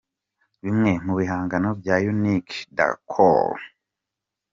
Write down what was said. Bimwe mu bihangano bya Unique Décor.